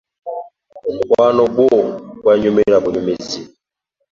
Omukwano gwo gwannyumira bunyumizi.